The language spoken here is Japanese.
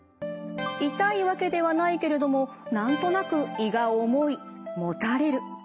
痛いわけではないけれども何となく胃が重いもたれる。